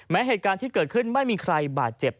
เหตุการณ์ที่เกิดขึ้นไม่มีใครบาดเจ็บ